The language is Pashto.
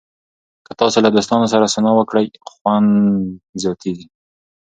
که تاسو له دوستانو سره سونا وکړئ، خوند زیاتېږي.